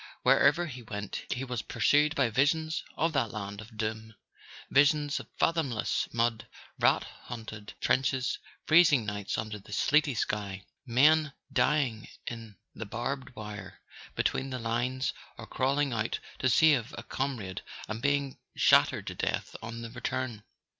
Wherever he went he was pursued by visions of that land of doom: visions of fathomless mud, rat haunted trenches, freez¬ ing nights under the sleety sky, men dying in the barbed wire between the lines or crawling out to save a com¬ rade and being shattered to death on the return.